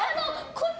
こっち！